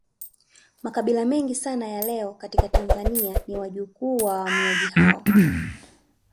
Makabila mengi sana ya leo katika Tanzania ni wajukuu wa wahamiaji hao